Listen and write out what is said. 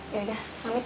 yaudah pamit ya